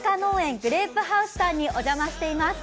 グレープハウスさんにお邪魔しています。